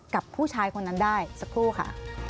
กับผู้ชายคนนั้นได้สักครู่ค่ะ